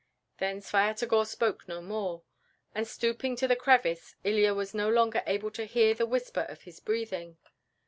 Then Svyatogor spoke no more, and stooping to the crevice Ilya was no longer able to hear the whisper of his breathing.